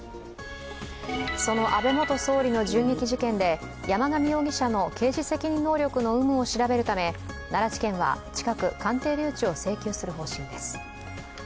その安倍元総理の銃撃事件で山上容疑者の刑事責任能力の有無を調べるため、奈良地検は近く鑑定留置を請求する方針です。